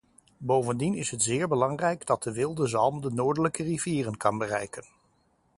Bovendien is het zeer belangrijk dat de wilde zalm de noordelijke rivieren kan bereiken.